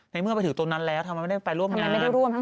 ในเมื่อไปถึงตรงนั้นแล้วทำไมไม่ได้ไปร่วมงาน